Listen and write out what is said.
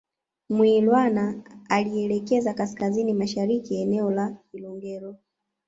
Mwilwana alielekea kaskazini mashariki eneo la Ilongero